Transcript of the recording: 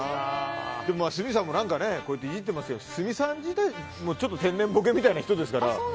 鷲見さんもいじってますけど鷲見さん自体も、ちょっと天然ボケみたいな人ですから。